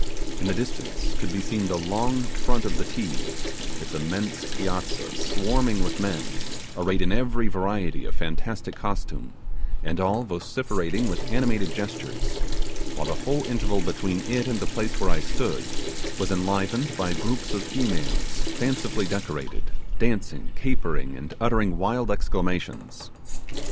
In the distance could be seen the long front of the Ti, its immense piazza swarming with men, arrayed in every variety of fantastic costume, and all vociferating with animated gestures; while the whole interval between it and the place where I stood was enlivened by groups of females fancifully decorated, dancing, capering, and uttering wild exclamations.